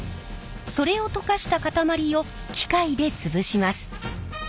それを溶かした塊を機械で潰します。